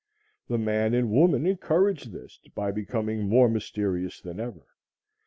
The man and woman encouraged this by becoming more mysterious than ever.